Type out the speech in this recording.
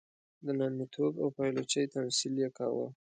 د نامیتوب او پایلوچۍ تمثیل یې کاوه.